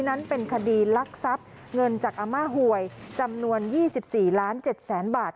นั้นเป็นคดีลักษัพเงินจากอาม่าหวยจำนวน๒๔๗๐๐๐๐๐บาท